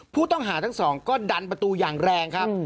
ผู้ต้องหาทั้ง๒ก็ดันประตูอย่างแรงทั้ง๔